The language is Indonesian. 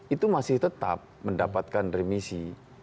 itu masih tetap mendapatkan remisi